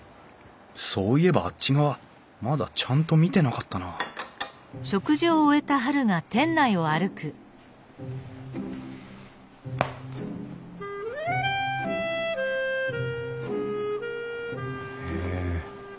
そういえばあっち側まだちゃんと見てなかったなあへえ。